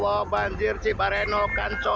masya allah banjir cibareno kan colah